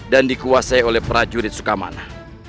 dan dikuasai oleh prajurit sukamana